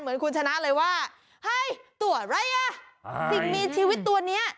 เหมือนคุณชนะเลยว่าเฮ้ยตัวอะไรอ่ะสิ่งมีชีวิตตัวนี้